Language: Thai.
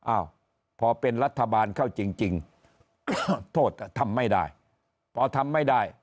อ้าวพอเป็นรัฐบาลเข้าจริงโทษทำไม่ได้พอทำไม่ได้